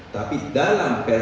tapi dalam hal ini